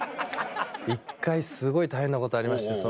１回すごい大変なことありまして。